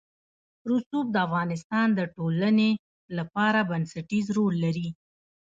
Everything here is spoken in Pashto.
رسوب د افغانستان د ټولنې لپاره بنسټيز رول لري.